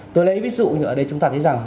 tôi lấy ví dụ như ở đây chúng ta thấy rằng